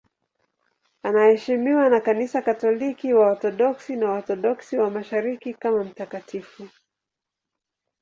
Anaheshimiwa na Kanisa Katoliki, Waorthodoksi na Waorthodoksi wa Mashariki kama mtakatifu.